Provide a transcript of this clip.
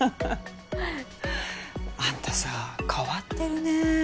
あんたさ変わってるね